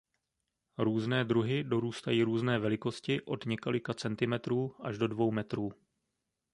Různé druhy dorůstají různé velikosti od několika centimetrů až do dvou metrů.